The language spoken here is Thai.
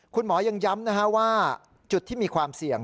คุณหมอยังย้ำว่าจุดที่มีความเสี่ยง